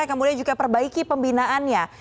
kemudian juga perbaiki pembinaannya